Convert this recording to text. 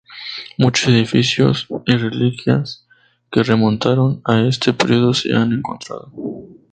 Muchos edificios y reliquias que remontaron a este periodo se han encontrado.